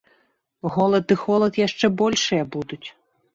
Голад і холад яшчэ большыя будуць.